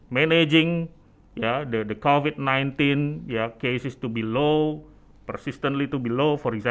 manajemen covid sembilan belas kesnya akan rendah persistennya akan rendah